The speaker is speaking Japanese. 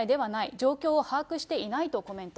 状況を把握していないとコメント。